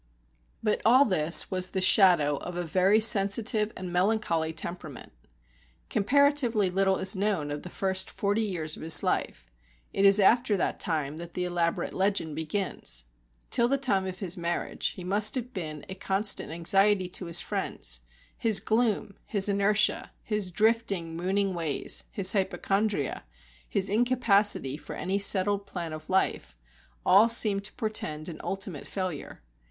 But all this was the shadow of a very sensitive and melancholy temperament. Comparatively little is known of the first forty years of his life; it is after that time that the elaborate legend begins. Till the time of his marriage, he must have been a constant anxiety to his friends; his gloom, his inertia, his drifting mooning ways, his hypochondria, his incapacity for any settled plan of life, all seemed to portend an ultimate failure.